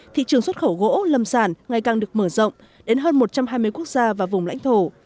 thị trường xuất khẩu gỗ lâm sản ngày càng được mở rộng đến hơn một trăm hai mươi quốc gia và vùng lãnh thổ